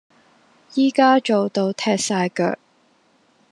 依家做到踢曬腳